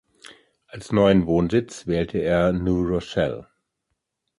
Als neuen Wohnsitz wählte er New Rochelle.